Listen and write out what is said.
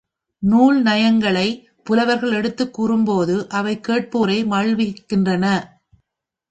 நூல் நயங்களைப் புலவர்கள் எடுத்துக் கூறும்போது அவை கேட்போரை மகிழ்விக்கின்றன.